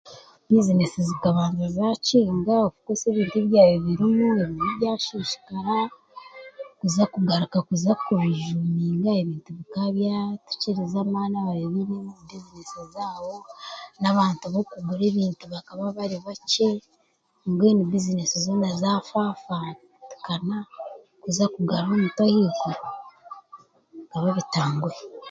Bizenesi zikabanza zaakinga of course ebintu ebyabire birimu ebimwe byasiisikara kuza kugaruka kuza ku rizuuminga ebintu bikaba byatukirize amaani ababire biine business zaabo na abantu b'okugura ebintu bakaba bari bakye mbwenu bizenesi zoona z'afafatikana mbwenu kuza kugaruza ebintu ahaiguru bikaba bitanguhi.